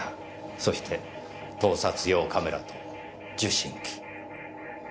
そして盗撮用カメラと受信機。